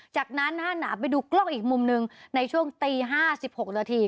จากนั้นน่ะไปดูกล้องอีกมุมนึงในช่วงตี๕๑๖นาที